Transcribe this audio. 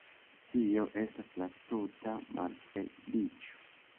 Tio estas la tuta malfeliĉo!